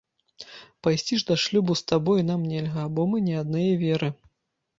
Пайсці ж да шлюбу з табою нам нельга, бо мы не аднае веры.